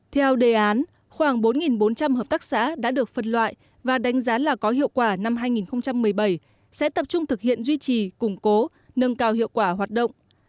theo đề án khoảng bốn bốn trăm linh hợp tác xã đã được phân loại và đánh giá là có hiệu quả năm hai nghìn một mươi bảy sẽ tập trung thực hiện duy trì củng cố nâng cao hiệu quả hoạt động